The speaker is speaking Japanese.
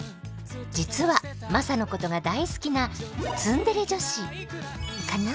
実はマサのことが大好きなツンデレ女子カナ？